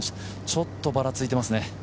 ちょっとバラついてますね。